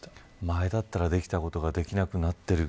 前だったらできたことができなくなっている。